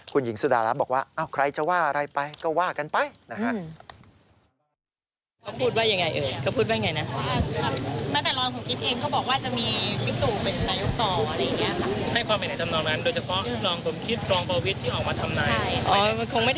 คุณหญิงสุดารัฐบอกว่าใครจะว่าอะไรไปก็ว่ากันไปนะฮะ